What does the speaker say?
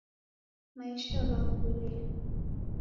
Maisha ghakurie.